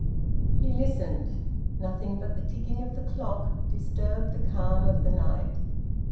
He listened. Nothing but the ticking of the clock disturbed the calm of the night.